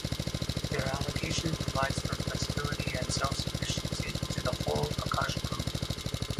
Their allocation provides for flexibility and self-sufficiency to the whole Akash Group.